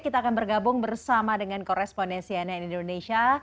kita akan bergabung bersama dengan korespondensi ann indonesia